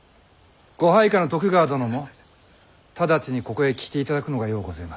ご配下の徳川殿も直ちにここへ来ていただくのがようごぜます。